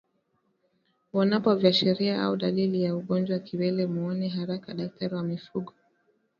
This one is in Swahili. Uonapo viashiria au dalili za ugonjwa wa kiwele muone haraka daktari wa mifugo